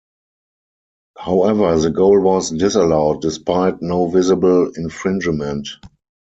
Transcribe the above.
However, the goal was disallowed despite no visible infringement.